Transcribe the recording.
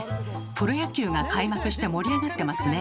プロ野球が開幕して盛り上がってますね。